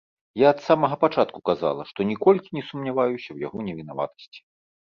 Я ад самага пачатку казала, што ніколькі не сумняваюся ў яго невінаватасці.